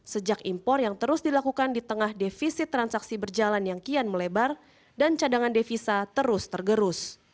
sejak impor yang terus dilakukan di tengah defisit transaksi berjalan yang kian melebar dan cadangan devisa terus tergerus